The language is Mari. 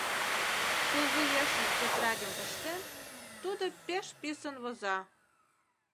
Пулвуешыже тетрадьым пыштен, тудо пеш писын воза.